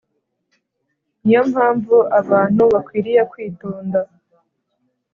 Ni yo mpamvu abantu bakwiriye kwitonda